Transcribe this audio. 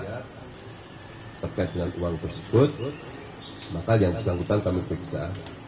terkait dengan uang tersebut maka yang bisa hutang kami peksa